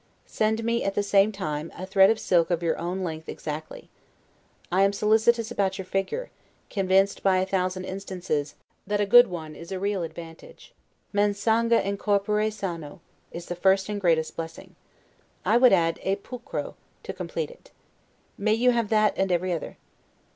Send me, at the same time, a thread of silk of your own length exactly. I am solicitous about your figure; convinced, by a thousand instances, that a good one is a real advantage. 'Mens sana in corpore sano', is the first and greatest blessing. I would add 'et pulchro', to complete it. May you have that and every other!